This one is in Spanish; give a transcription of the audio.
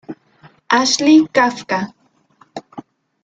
Ashley Kafka.